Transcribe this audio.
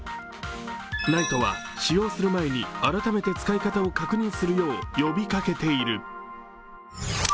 ＮＩＴＥは使用する前に改めて使い方を確認するよう呼びかけている。